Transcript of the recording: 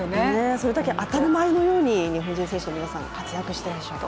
それだけ当たり前のように日本人選手の皆さんが活躍していると。